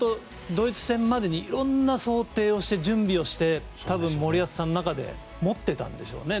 ドイツ戦までにいろんな想定をして準備をして、森保さんの中で持っていたんでしょうね。